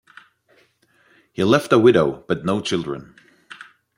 He left a widow but no children.